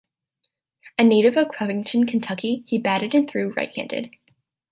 A native of Covington, Kentucky, he batted and threw right-handed.